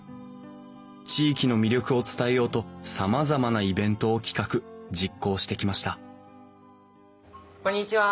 地域の魅力を伝えようとさまざまなイベントを企画実行してきましたこんにちは。